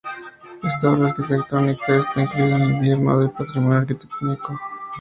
Esta obra arquitectónica está incluida en el Inventario del Patrimonio Arquitectónico de Cataluña.